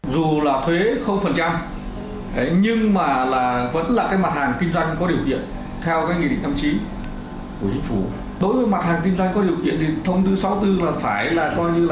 dù là thuế nhưng mà vẫn là mặt hàng kinh doanh có điều kiện theo nghị định năm chín của chính phủ